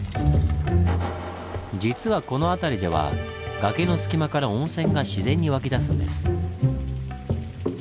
実はこの辺りでは崖の隙間から温泉が自然に湧き出すんです。